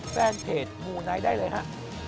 แฟนเพจมูไนท์ได้เลยฮะ